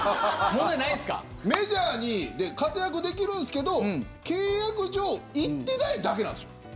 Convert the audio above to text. メジャーで活躍できるんですけど契約上行ってないだけなんですよ。